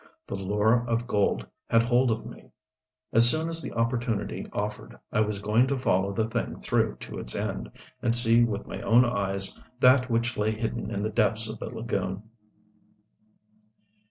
The lure of gold had hold of me. As soon as the opportunity offered, I was going to follow the thing through to its end, and see with my own eyes that which lay hidden in the depths of the lagoon.